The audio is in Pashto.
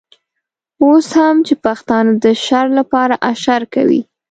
اوس هم چې پښتانه د شر لپاره اشر کوي.